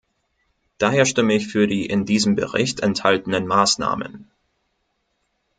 Daher stimme ich für die in diesem Bericht enthaltenen Maßnahmen.